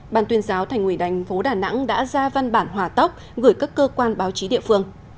ban tuyên giáo thành ủy đành tp đà nẵng đã ra văn bản hòa tóc gửi các cơ quan báo chí địa phương